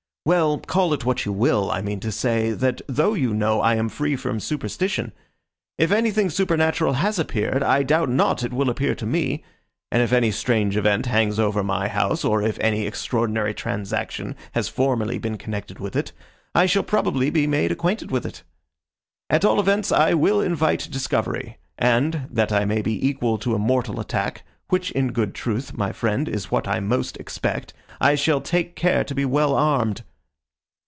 "Well, call it what you will, I mean to say, that, though you know I am free from superstition—if anything supernatural has appeared, I doubt not it will appear to me, and if any strange event hangs over my house, or if any extraordinary transaction has formerly been connected with it, I shall probably be made acquainted with it. At all events I will invite discovery; and, that I may be equal to a mortal attack, which in good truth, my friend, is what I most expect, I shall take care to be well armed."